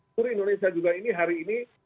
seluruh indonesia juga ini hari ini